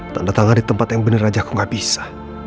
tanda tangan di tempat yang bener aja aku gak bisa